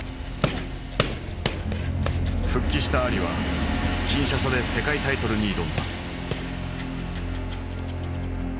復帰したアリはキンシャサで世界タイトルに挑んだ。